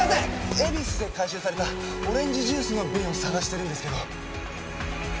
恵比寿で回収されたオレンジジュースの瓶を探してるんですけど。